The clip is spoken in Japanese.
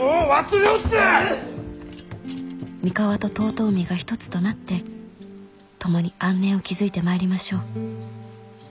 「三河と遠江が一つとなって共に安寧を築いてまいりましょう。